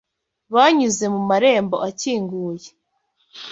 banyuze mu marembo akinguye